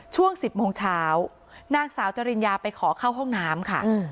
ช่วง๑๐โมงเช้านางสาวจริญญาไปขอเข้าห้องน้ำค่ะ